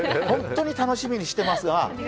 本当に楽しみにしてますが。